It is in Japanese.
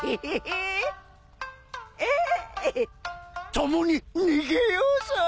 共に逃げようぞ。